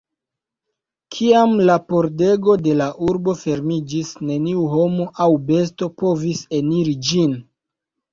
Kiam la pordego de la urbo fermiĝis, neniu homo aŭ besto povis eniri ĝin.